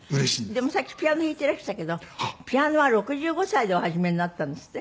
でもさっきピアノ弾いてらしたけどピアノは６５歳でお始めになったんですって？